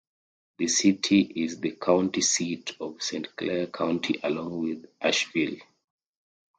The city is the county seat of Saint Clair County along with Ashville.